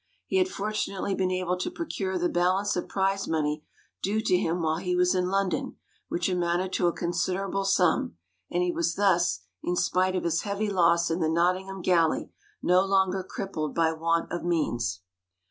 He had fortunately been able to procure the balance of prize money due to him while he was in London, which amounted to a considerable sum, and he was thus, in spite of his heavy loss in the "Nottingham Galley," no longer crippled by want of means.